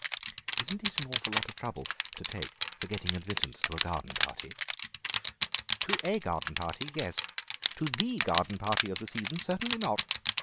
"Isn't it a lot of trouble to take for getting admittance to a garden party?" "To a garden party, yes; to the garden party of the season, certainly not.